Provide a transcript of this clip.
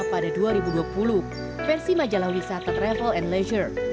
pada dua ribu dua puluh versi majalah wisata travel and leisure